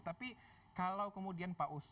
tapi kalau kemudian pak ustadz